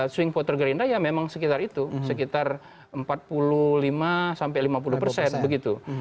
swing voter gerindra ya memang sekitar itu sekitar empat puluh lima sampai lima puluh persen begitu